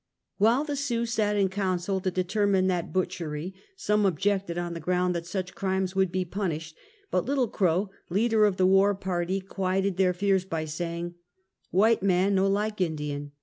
While the Sioux sat in council to determine that butchery, some objected, on the ground that such crimes would be punished, but Little Crow, leader of the war party, quieted their fears by saying: "White man no like Indian!